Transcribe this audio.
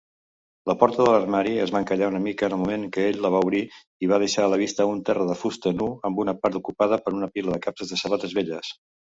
La porta de l'armari es va encallar una mica en el moment que ell la va obrir i va deixar a la vista un terra de fusta nu amb una part ocupada per una pila de capses de sabates velles.